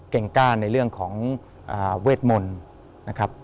ก้านในเรื่องของเวทมนต์นะครับ